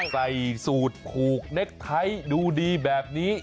ใส่สูตรผูกเน็กไทท์ดูดีแบบนี้